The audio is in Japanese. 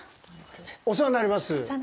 お世話になります。